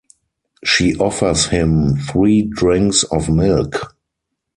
She offers him three drinks of milk.